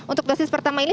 untuk dosis pertama ini